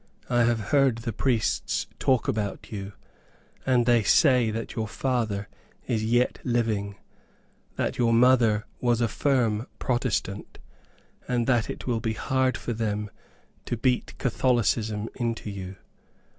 I have heard the priests talk about you, and they say that your father is yet living, that your mother was a firm protestant, and that it will be hard for them to beat Catholicism into you.